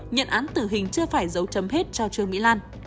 nhận án tử hình chưa phải giấu chấm hết cho trương mỹ lan